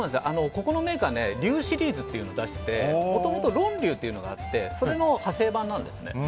ここのメーカーは龍シリーズというのを出しててもともとロン龍というのがあってそれの派生版なんです。